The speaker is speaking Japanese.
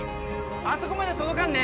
あそこまで届かんね。